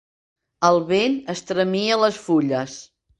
El vent estremia les fulles.